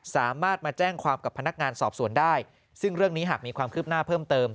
สามารถมาแจ้งความกับพนักงานสอบสวนได้ซึ่งเรื่องนี้หากมีความคืบหน้าเพิ่มเติม